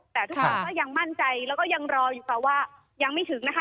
แต่ทุกคนก็ยังมั่นใจแล้วก็ยังรออยู่ค่ะว่ายังไม่ถึงนะคะ